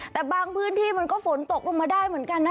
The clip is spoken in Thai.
แต่บางพื้นที่มันก็ฝนตกลงมาได้เหมือนกันนะ